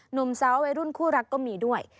หนุ่มเซาะรุ่นคู่รักก็มีด้วย